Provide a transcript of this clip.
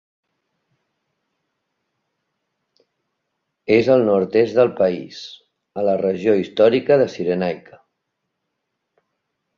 És al nord-est del país, a la regió històrica de Cyrenaica.